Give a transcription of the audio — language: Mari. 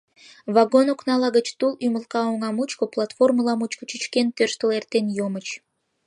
Вагон окнала гыч тул ӱмылка оҥа мучко, платформыла мучко чӱчкен-тӧрштыл эртен йомыч.